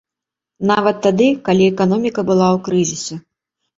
Нават тады, калі эканоміка была ў крызісе.